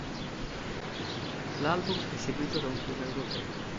L'album è seguito da un tour europeo.